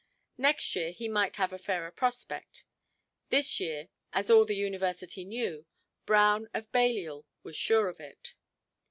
Next year he might have a fairer prospect; this year—as all the University knew—Brown, of Balliol, was sure of it.